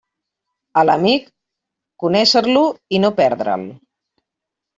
A l'amic, conéixer-lo i no perdre'l.